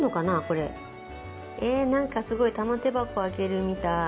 えなんかすごい玉手箱開けるみたい。